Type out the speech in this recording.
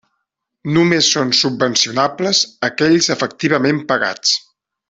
Només són subvencionables aquells efectivament pagats.